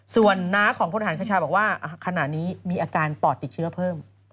ส่วนน้าของพลทหารคชาบอกว่าขณะนี้มีอาการปอดติดเชื้อเพิ่ม